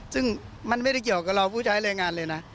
ซึ่งมันไม่ได้เกี่ยวกับเราผู้ใช้แรงงานเลยนะ